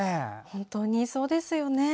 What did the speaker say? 本当にそうですよね。